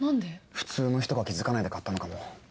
普通の人が気付かないで買ったのかも。